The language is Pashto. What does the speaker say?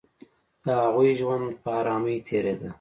د هغوی ژوند په آرامۍ تېرېده